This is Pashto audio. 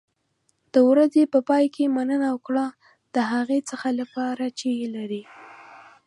د ورځې په پای کې مننه وکړه د هغه څه لپاره چې لرې.